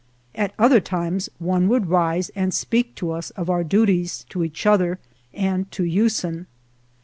At other times one would rise and speak to us of our duties 1 to each other and to Usen.